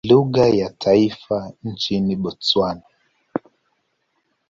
Ni lugha ya taifa nchini Botswana.